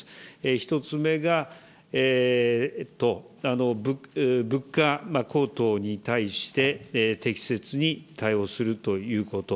１つ目が物価高騰に対して適切に対応するということ。